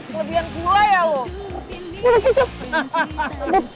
kelebihan gue ya lo